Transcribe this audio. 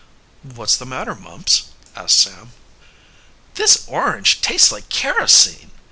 "What's the matter, Mumps?" asked Sam. "This orange tastes like kerosene!"